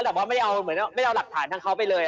แต่ว่าไม่ได้เอาหลักฐานทางเขาไปเลย